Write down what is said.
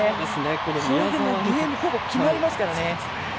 これで、ゲームほぼ決まりますからね。